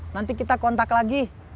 nanti kita kontak lagi